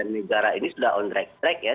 negara ini sudah on track track ya